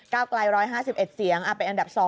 ก้าวกลาย๑๕๑เสียงเป็นอันดับ๒